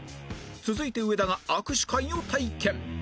続いて上田が握手会を体験